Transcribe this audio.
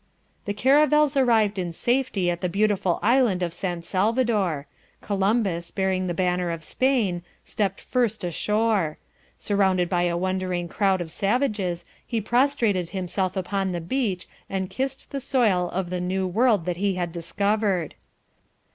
"...the caravels arrived in safety at the beautiful island of San Salvador. Columbus, bearing the banner of Spain, stepped first ashore. Surrounded by a wondering crowd of savages he prostrated himself upon the beach and kissed the soil of the New World that he had discovered."